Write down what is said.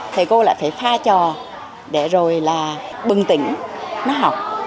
thầy cô lại phải pha trò để rồi là bừng tỉnh nó học